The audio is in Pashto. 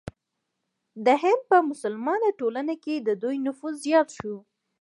د هند په مسلمانه ټولنه کې د دوی نفوذ زیات شو.